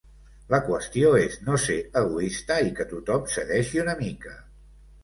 La qüestió és no ser egoista i que tothom cedeixi una mica.